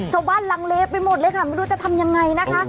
กำลังลังเลไปหมดเลยค่ะไม่รู้จะทำยังไงนะคะ